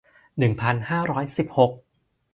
หนึ่งพันห้าร้อยสิบหก